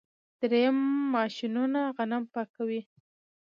دریم ماشینونه غنم پاکوي.